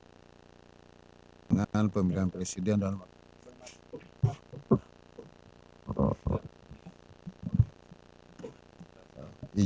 dengan pemilihan presiden dan wakil presiden